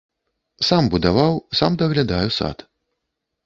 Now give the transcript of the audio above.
Сам будаваў, сам даглядаю сад.